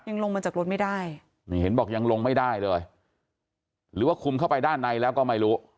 ลงมาจากรถไม่ได้นี่เห็นบอกยังลงไม่ได้เลยหรือว่าคุมเข้าไปด้านในแล้วก็ไม่รู้